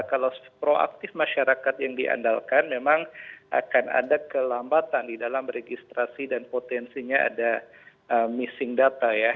kalau proaktif masyarakat yang diandalkan memang akan ada kelambatan di dalam registrasi dan potensinya ada missing data ya